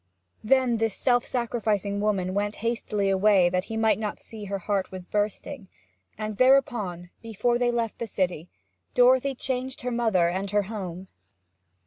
Then this self sacrificing woman went hastily away that he might not see that her heart was bursting; and thereupon, before they left the city, Dorothy changed her mother and her home.